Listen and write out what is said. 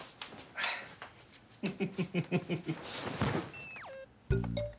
フッフフフ。